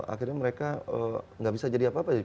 akhirnya mereka nggak bisa jadi apa apa